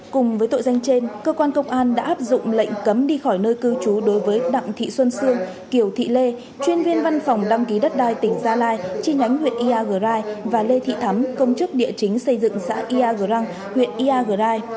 cùng với tội danh trên cơ quan công an đã áp dụng lệnh cấm đi khỏi nơi cư trú đối với đặng thị xuân sương kiều thị lê chuyên viên văn phòng đăng ký đất đai tỉnh gia lai chi nhánh huyện iagrai và lê thị thắm công chức địa chính xây dựng xã iagrang huyện iagrai